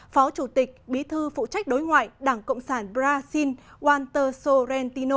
phó chủ tịch bí thư phụ trách đối ngoại đảng cộng sản brazil waltersorentino